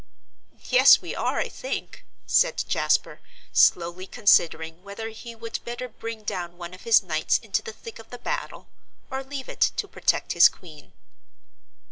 "Yes, we are, I think," said Jasper, slowly considering whether he would better bring down one of his knights into the thick of the battle, or leave it to protect his queen.